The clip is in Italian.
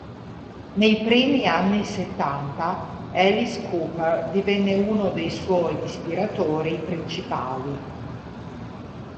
Nei primi anni settanta, Alice Cooper divenne uno dei suoi ispiratori principali.